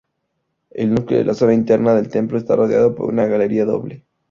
El núcleo de la zona interna del templo está rodeado por una galería doble.